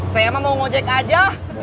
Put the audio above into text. saya emang mau ngojek aja